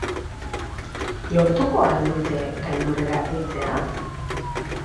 Lortuko al dute gailurrera heltzea?